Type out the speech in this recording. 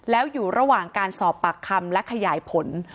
แล้วอยู่ระหว่างการสอบปากคำและขยายผล